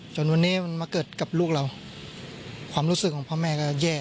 จนวันนี้มันมาเกิดกับลูกเราความรู้สึกของพ่อแม่ก็แย่